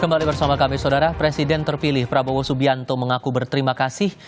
kembali bersama kami saudara presiden terpilih prabowo subianto mengaku berterima kasih